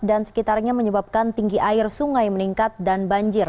sekitarnya menyebabkan tinggi air sungai meningkat dan banjir